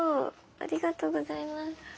ありがとうございます。